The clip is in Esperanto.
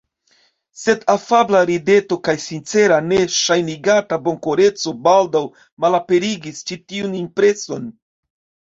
Sed afabla rideto kaj sincera, ne ŝajnigata bonkoreco baldaŭ malaperigis ĉi tiun impreson.